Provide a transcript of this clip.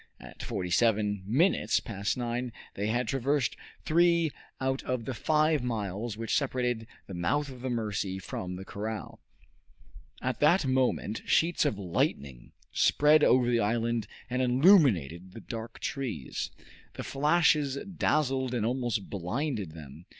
At forty seven minutes past nine they had traversed three out of the five miles which separated the mouth of the Mercy from the corral. At that moment sheets of lightning spread over the island and illumined the dark trees. The flashes dazzled and almost blinded them.